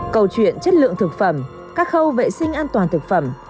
câu chuyện chất lượng thực phẩm các khâu vệ sinh an toàn thực phẩm